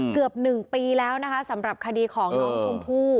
เกือบ๑ปีแล้วนะคะสำหรับคดีของน้องชมพู่